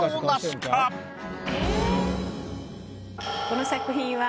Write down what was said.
この作品は。